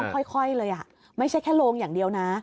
เพราะค่อยเลยอ่ะไม่ใช่แค่โรงอย่างเดียวน่ะ